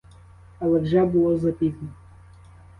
Але вже було запізно.